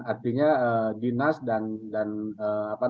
artinya dinas dan dinas gul karmat